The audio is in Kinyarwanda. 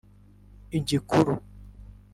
Igikuru